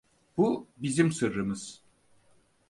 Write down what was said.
Bu bizim sırrımız.